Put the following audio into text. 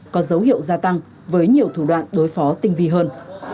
có dấu hiệu gia tăng với nhiều thủ đoạn đối phó tinh vi hơn